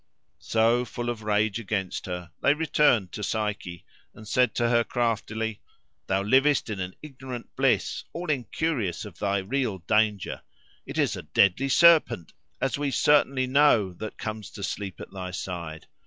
So, full of rage against her, they returned to Psyche, and said to her craftily, "Thou livest in an ignorant bliss, all incurious of thy real danger. It is a deadly serpent, as we certainly know, that comes to sleep at thy side.